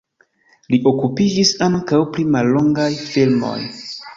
Li okupiĝis ankaŭ pri mallongaj filmoj.